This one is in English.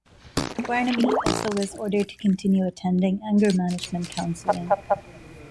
Barnaby also was ordered to continue attending anger management counseling.